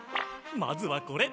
まずはこれ。